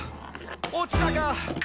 落ちたか！」